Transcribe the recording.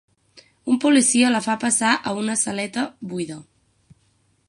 Un policia la fa passar a una saleta buida.